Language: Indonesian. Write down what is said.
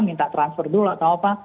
minta transfer dulu atau apa